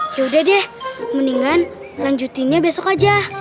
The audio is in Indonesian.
ya udah deh mendingan lanjutinnya besok aja